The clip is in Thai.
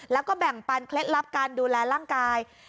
แล้วก็แบ่งปันเคล็ดลับการดูแลร่างกาย